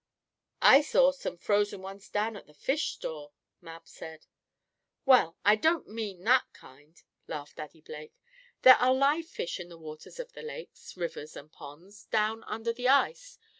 "I saw some frozen ones down at the fish store," Mab said. "Well, I don't mean that kind," laughed Daddy Blake. "There are live fish in the waters of the lakes, rivers and ponds, down under the ice.